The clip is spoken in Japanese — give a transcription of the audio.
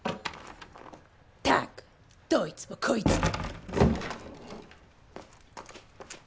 ったくどいつもこいつも！